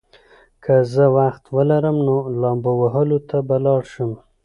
که زه وخت ولرم، نو لامبو وهلو ته به لاړ شم.